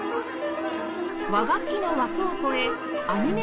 和楽器の枠を超えアニメ